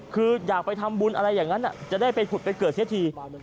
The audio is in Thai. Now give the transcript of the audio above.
คืออยากไปทำบุญอะไรอย่างนั้นจะได้ไปผุดไปเกิดเสียที